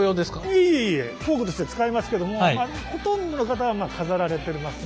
いえいえ工具として使えますけどもほとんどの方は飾られてますね。